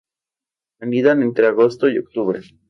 Anidan entre agosto y octubre.